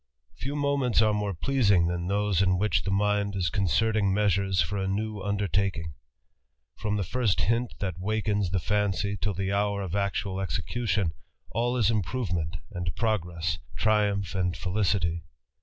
Few moments are more pleasing t han those in w]iirh mind is concerting measures for a new undertaking..^ Fi the first hint that wakens the fancy till the hour of ac execution, all is improvement and progress, triumph feHcity.